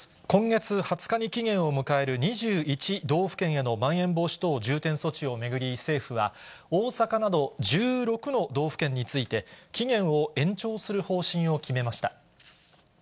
今月２０日に期限を迎える２１道府県へのまん延防止等重点措置を巡り、政府は、大阪など１６の道府県について、期限を延長する方針を決めました。